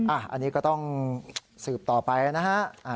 อันนี้ก็ต้องสืบต่อไปนะฮะ